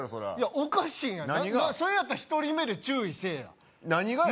おかしいやんそれやったら１人目で注意せえや何がや？